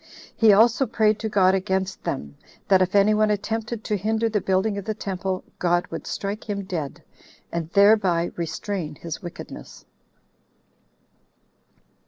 He also prayed to God against them, that if any one attempted to hinder the building of the temple, God would strike him dead, and thereby restrain his wickedness."